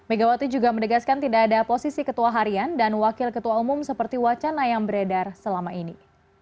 megawati juga menegaskan tidak ada posisi ketua harian dan wakil ketua umum seperti wacana yang beredar selama ini